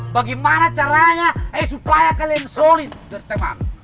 bagaimana caranya supaya kalian solid teman teman